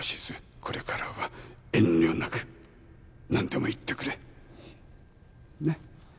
これからは遠慮なく何でも言ってくれねっ？